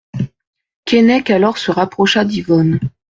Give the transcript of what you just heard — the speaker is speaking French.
Keinec alors se rapprocha d'Yvonne.